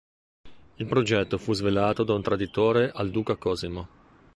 Il progetto fu svelato da un traditore al duca Cosimo.